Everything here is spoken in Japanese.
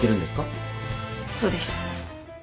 そうです。